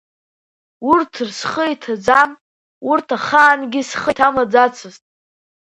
Урҭ схы иҭаӡам, урҭ ахаангьы схы иҭамлаӡацызт.